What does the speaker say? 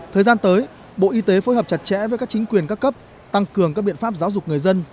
thời gian tới bộ y tế phối hợp chặt chẽ với các chính quyền các cấp tăng cường các biện pháp giáo dục người dân